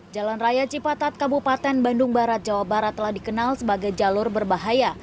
jalan raya cipatat kabupaten bandung barat jawa barat telah dikenal sebagai jalur berbahaya